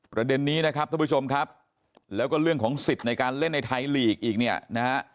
ประเด็นนี้นะครับท่านผู้ชมครับแล้วก็เรื่องของสิทธิ์ในการเล่นในไทยลีกอีกเนี่ยนะฮะ